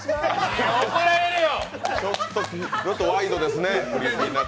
いや、怒られるよ！